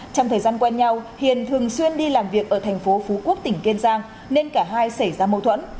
trong thời gian quen nhau hiền thường xuyên đi làm việc ở thành phố phú quốc tỉnh kiên giang nên cả hai xảy ra mâu thuẫn